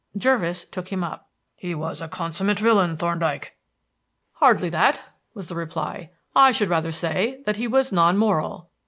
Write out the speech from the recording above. Jervis took him up. "He was a consummate villain, Thorndyke." "Hardly that," was the reply. "I should rather say that he was non moral.